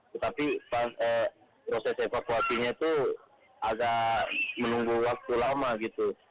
tetapi proses evakuasinya itu agak menunggu waktu lama gitu